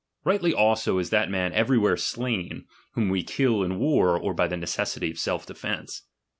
Rightly also is that man everywhere slain, whom we kill in war or by the necessity of self defence.